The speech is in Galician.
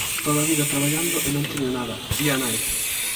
"Toda a vida traballando e non teño nada", di a nai.